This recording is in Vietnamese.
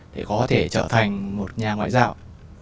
để có thể trở thành một nhà ngoại giao